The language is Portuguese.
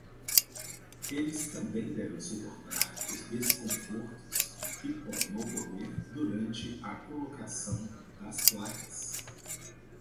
Eles também devem suportar os desconfortos que podem ocorrer durante a colocação das placas.